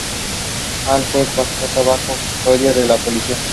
Hall fue puesta bajo custodia de la policía.